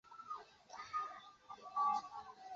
霍黑纳尔泰姆是德国巴伐利亚州的一个市镇。